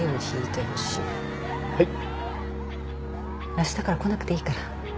あしたから来なくていいから。